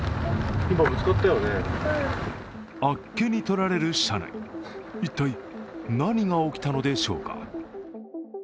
あっけにとられる車内、一体何が起きたのでしょうか。